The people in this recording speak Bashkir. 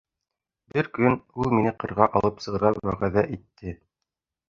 Бер көн ул мине ҡырға алып сығырға вәғәҙә итте.